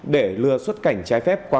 để lừa xuất cảnh trái phép qua